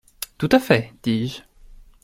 Tout à fait, dis-je.